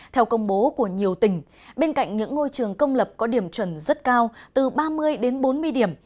theo công bố của nhiều tỉnh bên cạnh những ngôi trường công lập có điểm chuẩn rất cao từ ba mươi đến bốn mươi điểm